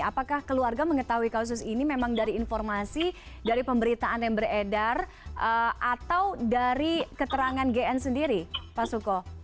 apakah keluarga mengetahui kasus ini memang dari informasi dari pemberitaan yang beredar atau dari keterangan gn sendiri pak suko